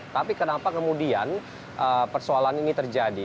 tapi kenapa kemudian persoalan ini terjadi